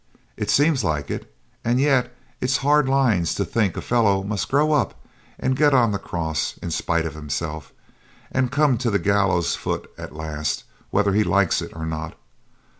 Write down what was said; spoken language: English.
It seems like it; and yet it's hard lines to think a fellow must grow up and get on the cross in spite of himself, and come to the gallows foot at last, whether he likes it or not.